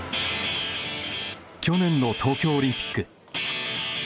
去年の東京オリンピック。